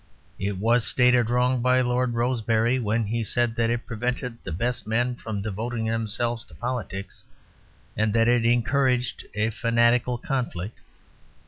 It was stated wrong by Lord Rosebery, when he said that it prevented the best men from devoting themselves to politics, and that it encouraged a fanatical conflict.